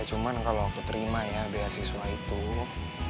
cuman kalau aku terima ya beasiswa itu